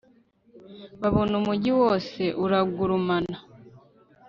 babona umugi wose uragurumana